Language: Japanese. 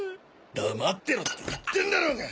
黙ってろって言ってんだろうが！